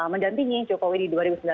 mendampingi jokowi di dua ribu sembilan belas